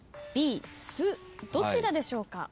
どちらでしょうか？